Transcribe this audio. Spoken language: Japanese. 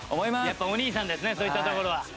やっぱお兄さんですねそういったところは。